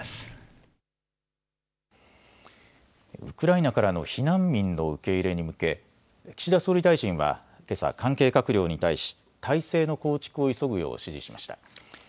ウクライナからの避難民の受け入れに向け岸田総理大臣はけさ、関係閣僚に対し体制の構築を急ぐよう指示しました。